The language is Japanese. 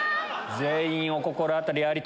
全員お心当たりあり！